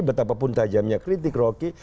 betapapun tajamnya kritik rocky